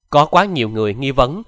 có quá nhiều người nghi vấn